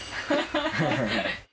ハハハ。